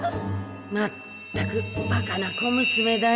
まったくバカな小娘だよ。